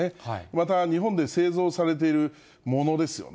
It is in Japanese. また、日本で製造されているものですよね。